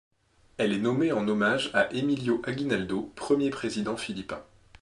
Elle est nommée en hommage à Emilio Aguinaldo, premier président philippin.